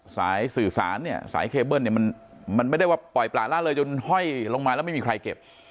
สายสื่อสารเนี่ยสายเคเบิ้ลเนี่ยมันไม่ได้ว่าปล่อยปลาละเลยจนห้อยลงมาแล้วไม่มีใครเก็บ